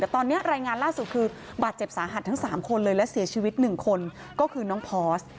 แต่ตอนนี้รายงานล่าสุดคือบาดเจ็บสาหัสทั้ง๓คนเลยและเสียชีวิต๑คนก็คือน้องพอร์ส